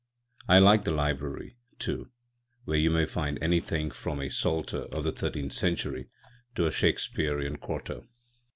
I like the library, too, where you may find anything from a Psalter of the thirteenth century to a Shakespeare quarto.